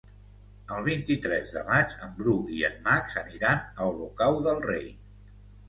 El vint-i-tres de maig en Bru i en Max aniran a Olocau del Rei.